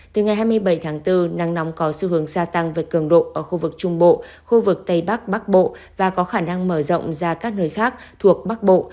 từ ngày hai mươi bảy tháng bốn nắng nóng có xu hướng gia tăng về cường độ ở khu vực trung bộ khu vực tây bắc bắc bộ và có khả năng mở rộng ra các nơi khác thuộc bắc bộ